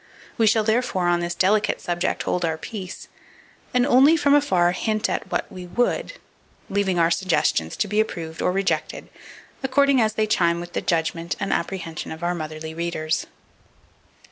We shall, therefore, on this delicate subject hold our peace; and only, from afar, hint "at what we would," leaving our suggestions to be approved or rejected, according as they chime with the judgment and the apprehension of our motherly readers.